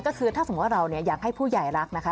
ก็คือถ้าสมมุติว่าเราเนี่ยอยากให้ผู้ใหญ่รักนะคะ